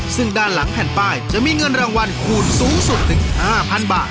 ซึ่งด้านหลังแผ่นป้ายจะมีเงินรางวัลคูณสูงสุดถึง๕๐๐๐บาท